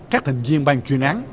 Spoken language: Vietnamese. các thành viên bang chuyên án